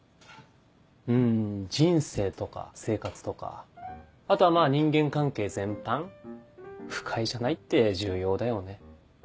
うん人生とか生活とかあとはまぁ人間関係全般不快じゃないって重要だよね。